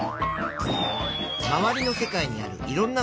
まわりの世界にあるいろんなふしぎ。